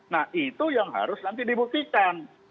nah itu yang harus nanti dibuktikan